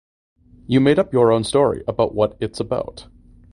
You made up your own story about what it’s about.